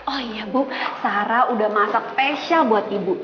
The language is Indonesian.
oh iya bu sarah udah masak spesial buat ibu